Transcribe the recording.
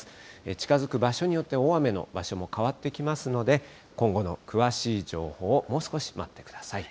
近づく場所によって、大雨の場所も変わってきますので、今後の詳しい情報をもう少し待ってください。